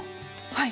はい。